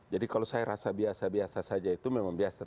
jadi kalau saya rasa biasa biasa saja itu memang biasa